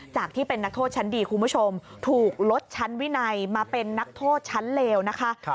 ที่เป็นนักโทษชั้นดีคุณผู้ชมถูกลดชั้นวินัยมาเป็นนักโทษชั้นเลวนะคะ